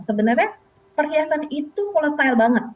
sebenarnya perhiasan itu volatile banget